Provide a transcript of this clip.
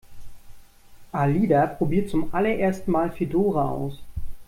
Alida probiert zum allerersten Mal Fedora aus.